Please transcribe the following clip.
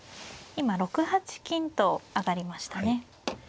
今６八金と上がりましたね。